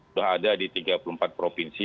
sudah ada di tiga puluh empat provinsi